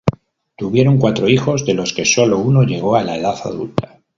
Tuvieron cuatro hijos, de los que solo uno llegó a la edad adulta.